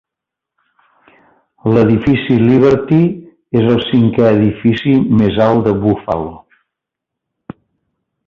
L'edifici Liberty és el cinquè edifici més alt de Buffalo.